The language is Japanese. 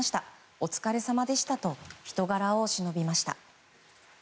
お疲れさまでしたと人柄をしのびました。